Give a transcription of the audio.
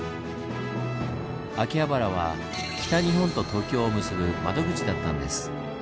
秋葉原は北日本と東京を結ぶ窓口だったんです。